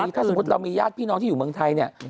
ถ้าสมมุติเรามีญาติพี่น้องที่อยู่เมืองไทยเนี่ย